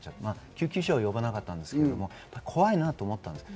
救急車は呼ばなかったんですけど、怖いなと思ったんです。